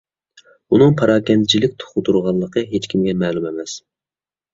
ئۇنىڭ پاراكەندىچىلىك تۇغدۇرغانلىقى ھېچكىمگە مەلۇم ئەمەس.